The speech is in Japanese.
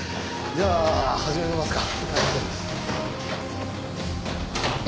じゃあ始めますか。